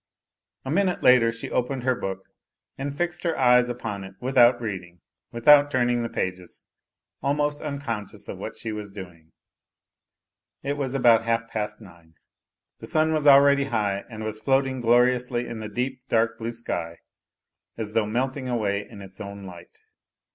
A minute later she opened her book, and fixed her eyes upon it without reading, without turning the pages, almost unconscious of what she was doing. It was about half past nine. The sun was already high and was floating gloriously in the deep, dark blue sky, as though melting away in its own light.